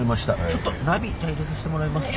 ちょっとナビ入れさしてもらいます。